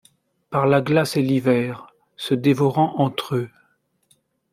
Par la glace et l’hiver, se dévorant entr’eux